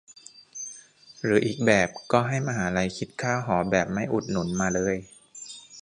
หรืออีกแบบ ก็ให้มหาลัยคิดค่าหอแบบไม่อุดหนุนมาเลย